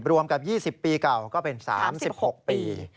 รวมกับ๒๐ปีเก่าก็เป็น๓๖ปี